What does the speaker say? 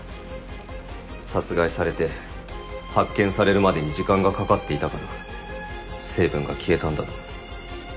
殺害されて発見されるまでに時間がかかっていたから成分が消えたんだろう。